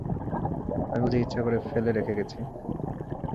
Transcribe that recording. আমি বুঝি ইচ্ছে করে ফেলে রেখে গেছি?